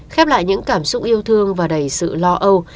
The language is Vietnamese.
khép lại những cảm xúc yêu thương và đầy sự lo âu